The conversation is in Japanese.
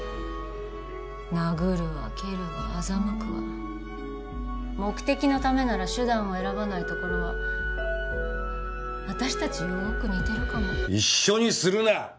殴るわ蹴るわ欺くわ目的のためなら手段を選ばないところは私たちよく似てるかも一緒にするな！